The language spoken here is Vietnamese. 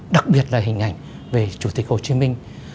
đặc biệt là hình ảnh về chủ tịch hồ chí minh